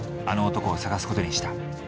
あの男を捜す事にした。